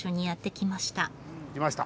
来ました。